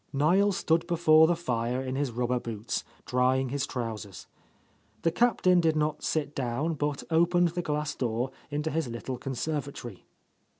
'' Niel stood before the fire in his rubber boots, drying his trousers. The Captain did not sit down but opened the glass door into his little conservatory.